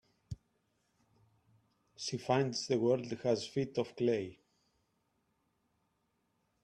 She finds the world has feet of clay.